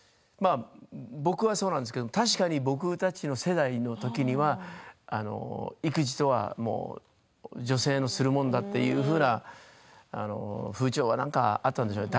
僕は、そうなんですけど確かに僕たちの世代のときには育児とは女性のするものだというふうな風潮がなんか、あったんでしょうね。